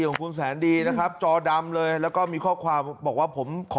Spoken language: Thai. ของคุณแสนดีนะครับจอดำเลยแล้วก็มีข้อความบอกว่าผมขอ